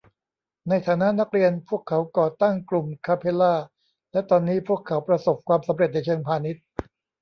ในฐานะนักเรียนพวกเขาก่อตั้งกลุ่มคาเพลลาและตอนนี้พวกเขาประสบความสำเร็จในเชิงพาณิชย์